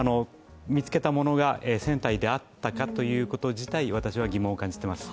見つけたものが船体であったかということ自体私は疑問を感じています。